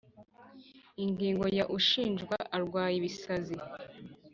Ingingo ya ushinjwa arwaye ibisazi